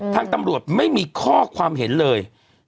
ทางตำรวจไม่มีข้อความเห็นเลย